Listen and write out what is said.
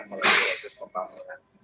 melalui proses pembangunan